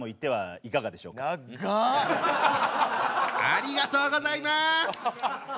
ありがとうございます。